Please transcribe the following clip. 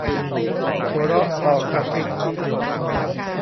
หัวเราะต่อกระซิก